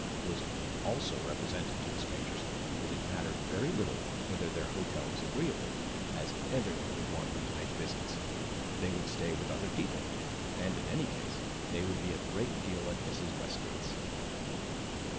It was also represented to the strangers that it mattered very little whether their hotel was agreeable, as everyone would want them to make visits; they would stay with other people, and, in any case, they would be a great deal at Mrs. Westgate's.